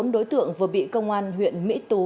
bốn đối tượng vừa bị công an huyện mỹ tú